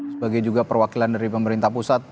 sebagai juga perwakilan dari pemerintah pusat